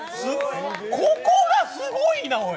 ここがすごいな、おい。